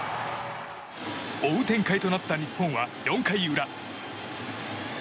追う展開となった日本は４回裏。